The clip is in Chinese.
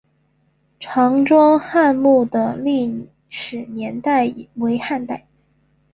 常庄汉墓的历史年代为汉代。